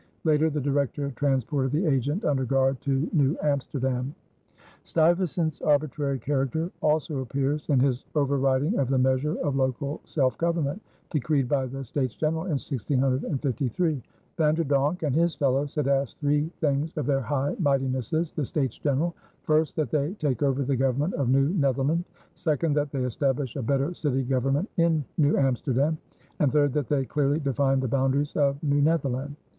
Later the Director transported the agent under guard to New Amsterdam. Stuyvesant's arbitrary character also appears in his overriding of the measure of local self government decreed by the States General in 1653. Van der Donck and his fellows had asked three things of their High Mightinesses, the States General: first, that they take over the government of New Netherland; second, that they establish a better city government in New Amsterdam; and third, that they clearly define the boundaries of New Netherland.